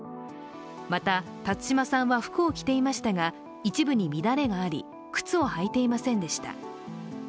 また辰島さんは服を着ていましたが一部に乱れがあり、靴を履いていませんでした。